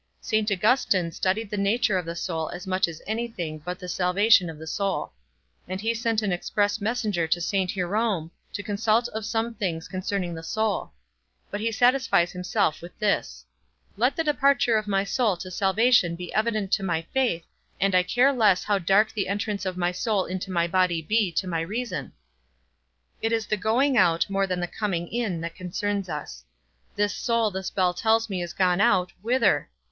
St. Augustine studied the nature of the soul as much as any thing, but the salvation of the soul; and he sent an express messenger to St. Hierome, to consult of some things concerning the soul; but he satisfies himself with this: "Let the departure of my soul to salvation be evident to my faith, and I care the less how dark the entrance of my soul into my body be to my reason." It is the going out, more than the coming in, that concerns us. This soul this bell tells me is gone out, whither?